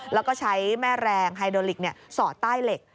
แล้วก็ใช้แม่แรงไฮโดลิกสอดใต้เหล็ก